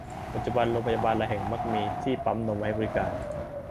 ปัจจุบันโรงพยาบาลหลายแห่งมักมีที่ปั๊มนมไว้ให้บริการ